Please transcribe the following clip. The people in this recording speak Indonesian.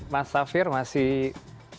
mas safir masih bersama kami